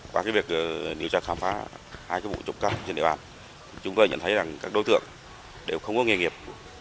qua cái việc điều tra khám phá hai cái vụ trụng cắt trên địa bàn chúng tôi nhận thấy rằng các đối tượng đều không có nghề nghiệp